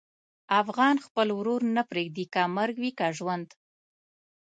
افغان خپل ورور نه پرېږدي، که مرګ وي که ژوند.